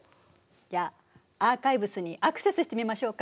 じゃあアーカイブスにアクセスしてみましょうか。